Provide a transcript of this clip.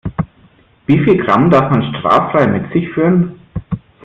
Wie viel Gramm darf man straffrei mit sich führen?